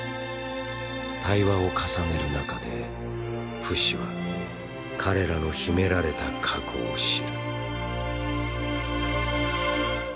対話を重ねる中でフシは彼らの秘められた過去を知る